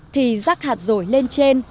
thì rắc hạt rổi lên trên